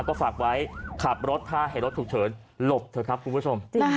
ก็ฝากไว้ขับรถถ้าเห็นรถฉุกเฉินหลบเถอะครับคุณผู้ชม